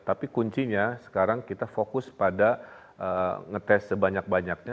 tapi kuncinya sekarang kita fokus pada ngetes sebanyak banyaknya